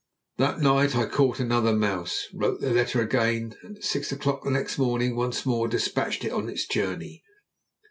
That night I caught another mouse, wrote the letter again, and at six o'clock next morning once more despatched it on its journey.